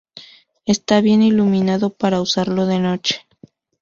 Está bien iluminado para usarlo de noche.